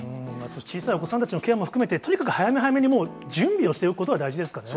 小さいお子さんたちのケアも含めて、とにかく早め早めに準備をしておくことが大事ですかね。